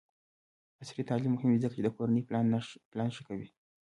عصري تعلیم مهم دی ځکه چې د کورنۍ پلان ښه کوي.